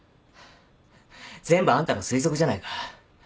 全部あんたの推測じゃないか。